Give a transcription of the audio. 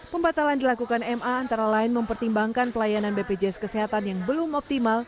pembatalan dilakukan ma antara lain mempertimbangkan pelayanan bpjs kesehatan yang belum optimal